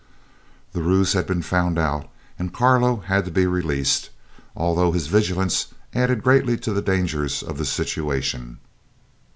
The ruse had been found out and Carlo had to be released, although his vigilance added greatly to the dangers of the situation.